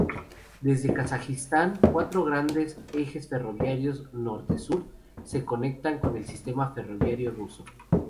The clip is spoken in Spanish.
Desde Kazajistán, cuatro grandes ejes ferroviarios norte-sur se conectan con el sistema ferroviario ruso.